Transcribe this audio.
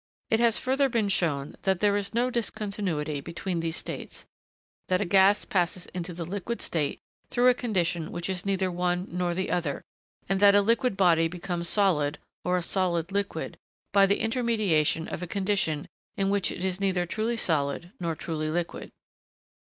It has further been shown that there is no discontinuity between these states that a gas passes into the liquid state through a condition which is neither one nor the other, and that a liquid body becomes solid, or a solid liquid, by the intermediation of a condition in which it is neither truly solid nor truly liquid.